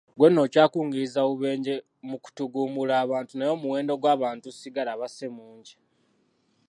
Gwe nno okyakungiriza bubenje mu kutugumbula abantu naye omuwendo gw'abantu ssigala basse mungi.